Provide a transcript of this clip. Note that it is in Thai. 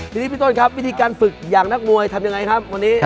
ทีนี้พี่ต้นครับวิธีการฝึกอย่างนักมวยทำยังไงครับวันนี้